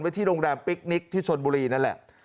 ที่โรงแรมปิ๊กนิกที่ชนบุรีนั่นแหละ